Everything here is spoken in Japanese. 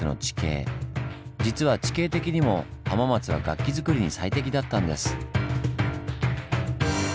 実は地形的にも浜松は楽器づくりに最適だったんです。